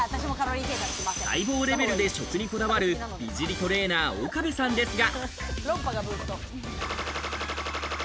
細胞レベルで食にこだわる美尻トレーナー岡部さんですが。